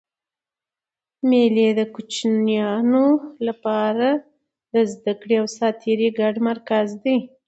مېلې د کوچنيانو له پاره د زدهکړي او ساتېري ګډ مرکز دئ.